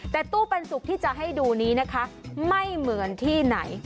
แต่ตู้ปันสุกที่จะให้ดูนี้นะคะไม่เหมือนที่ไหน